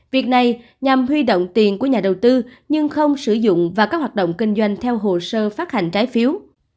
việc này nhằm huy động tiền của nhà đầu tư nhưng không sử dụng và các hoạt động kinh doanh theo hồ sơ phát hành trái phiếu